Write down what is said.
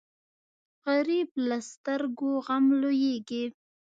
غریب له سترګو غم لوېږي